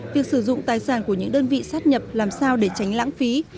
việc sử dụng tài sản của những đơn vị sát nhập làm sao để tránh lãng phí